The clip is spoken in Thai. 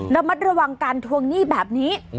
ระมัดระวังการทวงหนี้แบบนี้